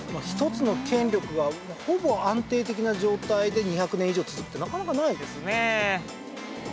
１つの権力がほぼ安定的な状態で２００年以上続くってなかなかない。ですね。